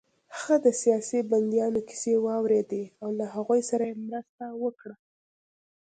هغه د سیاسي بندیانو کیسې واورېدې او له هغوی سره يې مرسته وکړه